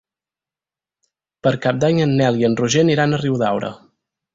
Per Cap d'Any en Nel i en Roger aniran a Riudaura.